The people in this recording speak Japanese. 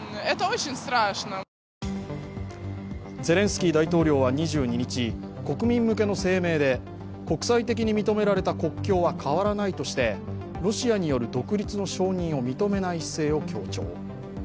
ゼレンスキー大統領は２２日、国民向けの声明で国際的に認められた国境は変わらないとしてロシアによる独立の承認を認めない姿勢を強調。